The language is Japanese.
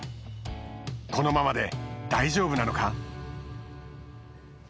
このままで、大丈夫なのか。